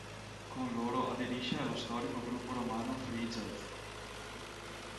Con loro aderisce allo storico Gruppo Romano Free Jazz.